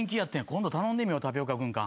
今度頼んでみようタピオカ軍艦。